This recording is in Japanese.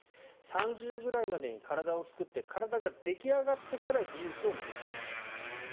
３０くらいまでに体を作って体が出来上がってから技術を身に着けたい。